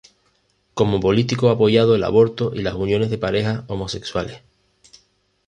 Como político ha apoyado el aborto y las uniones de parejas homosexuales.